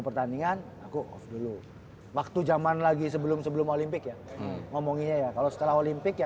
pertandingan aku off dulu waktu zaman lagi sebelum sebelum olimpik ya ngomonginnya ya kalau setelah olimpik ya